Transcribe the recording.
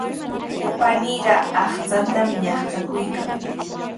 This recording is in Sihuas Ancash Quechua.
Paniiqa aqchantami ñaqchakuykan.